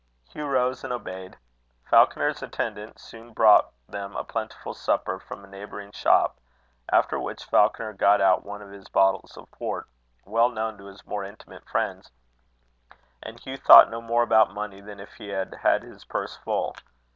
Hugh rose and obeyed. Falconer's attendant soon brought them a plentiful supper from a neighbouring shop; after which Falconer got out one of his bottles of port, well known to his more intimate friends; and Hugh thought no more about money than if he had had his purse full.